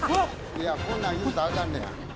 いやこんなん言うたらあかんねや。